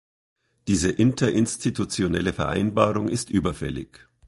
Diese interinstitutionelle Vereinbarung ist überfällig.